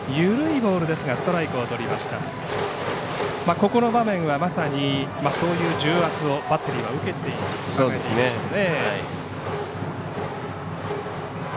ここの場面はまさにそういう重圧はバッテリーは受けていると考えていいでしょうね。